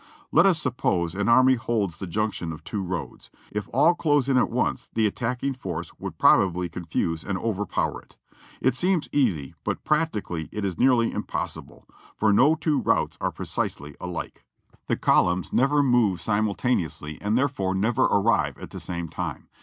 Let us suppose an army holds the junction of two roads ; if all close in at once, the attacking force would probably confuse and overpower it. It seems easy, but practically it is nearly impossible: for no two routes are precisely alike. The 404 JOHNNY REB AND BILLY YANK columns never move simultaneously, and therefore never arrive at the same time.